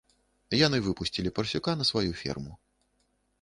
Яны выпусцілі парсюка на сваю ферму.